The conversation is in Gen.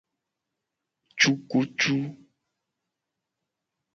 Cukucu.